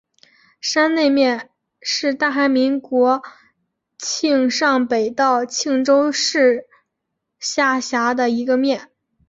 山内面是大韩民国庆尚北道庆州市下辖的一个面。